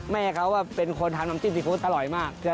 แม่เขาเป็นคนทำน้ำจิ้มซีฟู้ดอร่อยมาก